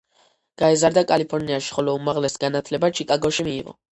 გაიზარდა კალიფორნიაში, ხოლო უმაღლესი განათლება ჩიკაგოში მიიღო.